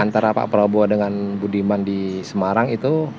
antara pak prabowo dengan budiman di semarang itu